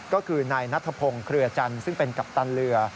ก็คือนายนัทพงศ์เครือจันทร์ซึ่งเป็นกัปตันเรือ